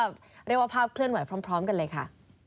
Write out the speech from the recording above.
เรียกว่าภาพเคลื่อนไหวพร้อมกันเลยค่ะ